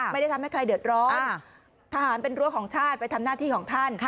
ไม่ได้ทำให้ใครเดือดร้อนทหารเป็นรั้วของชาติไปทำหน้าที่ของท่าน